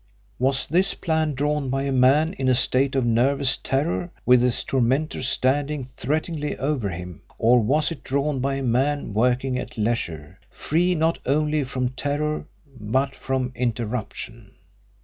Was this plan drawn by a man in a state of nervous terror with his tormentor standing threateningly over him, or was it drawn up by a man working at leisure, free not only from terror but from interruption?